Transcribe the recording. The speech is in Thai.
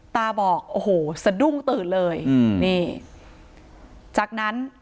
ตาบอกโอ้โหสะดุ้งตื่นเลยอืมนี่จากนั้น